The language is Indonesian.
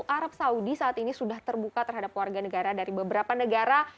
arab saudi saat ini sudah terbuka terhadap warga negara dari beberapa negara